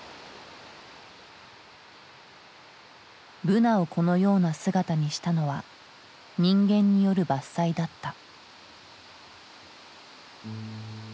ブナをこのような姿にしたのは人間による伐採だった。